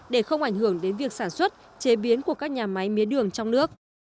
để không ảnh hưởng đến việc sản xuất chế biến của các nhà máy mía đường trong nước